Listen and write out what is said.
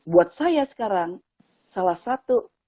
buat saya sekarang salah satu